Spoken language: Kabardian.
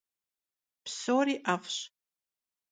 Psori 'ef'ş.